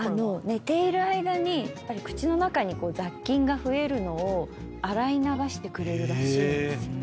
寝ている間に口の中に雑菌が増えるのを洗い流してくれるらしいんですよ。